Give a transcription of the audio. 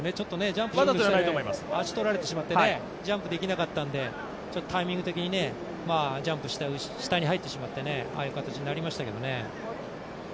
ジャンプして足とられてしまってジャンプできなかったんで、ちょっとタイミング的にジャンプの下に入ってしまってああいう形になってしまいましたけどね。